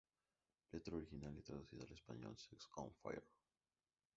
Letra original y traducida al español Sex On Fire